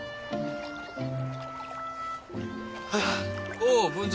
おお文蔵。